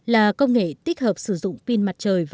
là công nghệ tích hợp sử dụng pin mặt trời